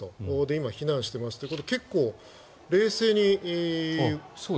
今、避難してますということで結構、冷静に。